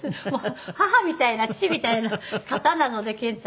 母みたいな父みたいな方なので憲ちゃんは。